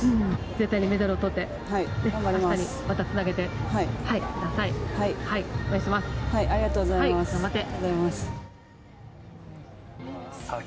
絶対メダルを取って、明日につなげてください。